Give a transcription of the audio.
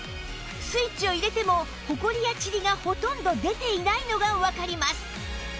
スイッチを入れてもホコリやチリがほとんど出ていないのがわかります